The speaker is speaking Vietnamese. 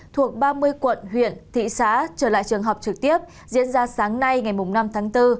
thuộc ba mươi quận huyện thị xã trở lại trường học trực tiếp diễn ra sáng nay ngày năm tháng bốn